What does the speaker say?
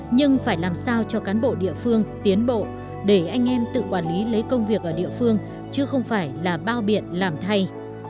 nhưng phải làm sao cho cán bộ địa phương tiến bộ để anh em tự quản lý lấy công việc ở địa phương chứ không phải là bao biện làm thay